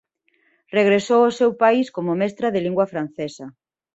Regresou ao seu país como mestra de lingua francesa.